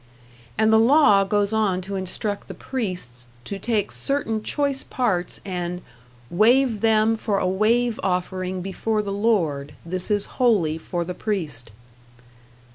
And the law goes on to instruct the priests to take certain choice parts and "wave them for a wave offering before the Lord: this is holy for the priest."